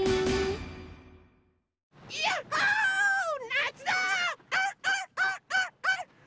なつだ！